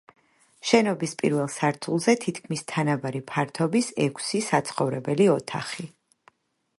შენობის პირველ სართულზე თითქმის თანაბარი ფართობის ექვსი, სახოვრებელი ოთახი.